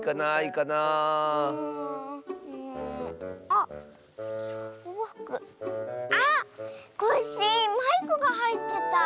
あっコッシーマイクがはいってた。